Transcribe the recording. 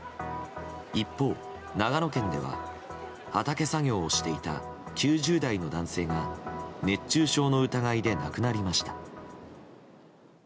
一方、長野県では畑作業をしていた９０代の男性が熱中症の疑いで亡くなりました。